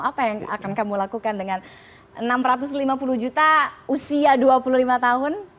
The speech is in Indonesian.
apa yang akan kamu lakukan dengan enam ratus lima puluh juta usia dua puluh lima tahun